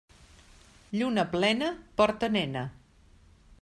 Lluna plena porta nena.